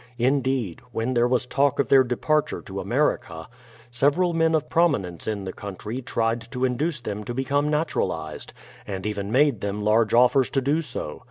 In deed, when there was talk of their departure to America, several men of prominence in the country tried to induce them to become naturalized, and even made them large offers to do so.